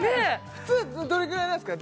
普通どれぐらいなんすか？